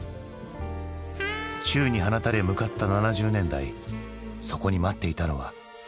宙に放たれ向かった７０年代そこに待っていたのは？